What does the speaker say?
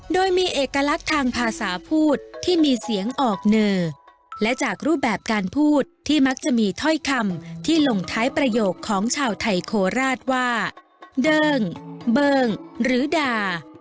โดยมีเอกลักษณ์ทางภาษาพูดที่มีเสียงออกเหนือและจากรูปแบบการพูดที่มักจะมีถ้อยคำที่ลงท้ายประโยคของชาวไทยโคราชว่าเดิิ้งเบิ้งหรือด่า